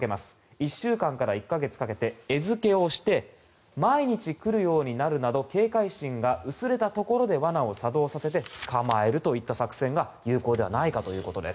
１週間から１か月かけて餌付けをして毎日来るようになるなど警戒心が薄れたところで罠を作動させて捕まえるという作戦が有効ではないかということです。